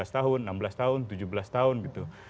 lima belas tahun enam belas tahun tujuh belas tahun gitu